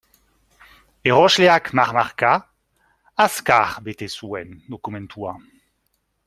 Erosleak marmarka, azkar bete zuen dokumentua.